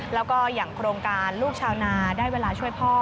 แล้วก็อย่างโครงการลูกชาวนาได้เวลาช่วยพ่อ